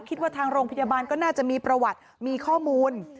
คิดว่าทางโรงพยาบาลก็น่าจะมีประวัติมีข้อมูล